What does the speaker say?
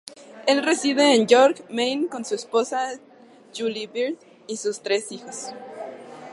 Él reside en York, Maine, con su esposa, Julie Byrd, y sus tres hijos.